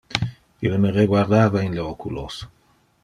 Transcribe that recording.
Ille me reguardava in le oculos.